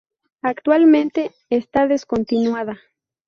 Actualmente está descontinuada.